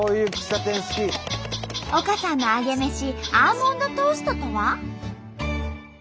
丘さんのアゲメシアーモンドトーストとは？